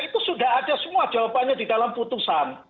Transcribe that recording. itu sudah ada semua jawabannya di dalam putusan